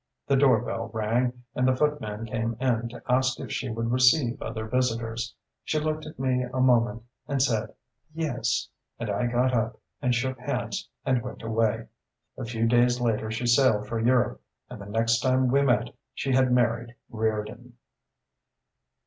The door bell rang and the footman came in to ask if she would receive other visitors. She looked at me a moment and said 'Yes,' and I got up and shook hands and went away. "A few days later she sailed for Europe, and the next time we met she had married Reardon...."